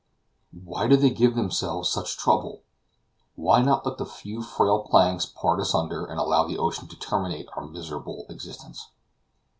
Why do they give themselves such trouble? Why not let the few frail planks part asunder, and allow the ocean to terminate our miserable existence?